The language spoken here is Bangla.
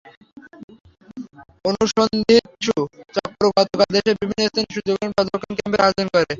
অনুসন্ধিৎসু চক্র গতকাল দেশের বিভিন্ন স্থানে সূর্যগ্রহণ পর্যবেক্ষণ ক্যাম্পের আয়োজন করে।